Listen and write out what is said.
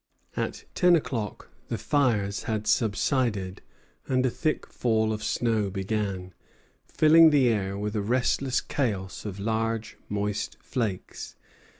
At ten o'clock the fires had subsided, and a thick fall of snow began, filling the air with a restless chaos of large moist flakes.